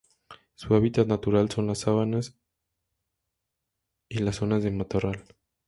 Su hábitat natural son las sabanas y las zonas de matorral.